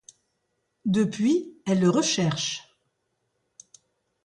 Depuis, elle le recherche.